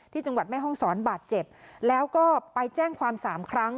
จังหวัดแม่ห้องศรบาดเจ็บแล้วก็ไปแจ้งความสามครั้ง